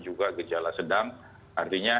juga gejala sedang artinya